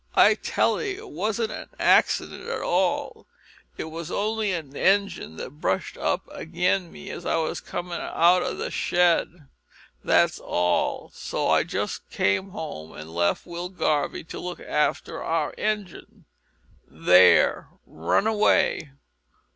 "I tell 'ee it wasn't an accident at all it was only a engine that brushed up agin me as I was comin' out o' the shed. That's all; so I just came home and left Will Garvie to look after our engine. There, run away."